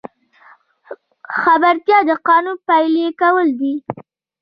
خبرتیا د قانون پلي کول دي